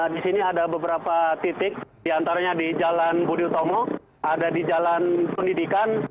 di sini ada beberapa titik di antaranya di jalan budiutomo ada di jalan pendidikan